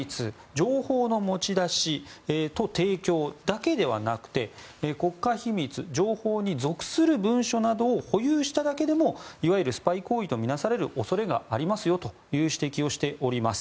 情報の持ち出しと提供だけではなくて国家秘密・情報に属する文書などを保有しただけでもいわゆるスパイ行為とみなされる恐れがありますよという指摘をしております。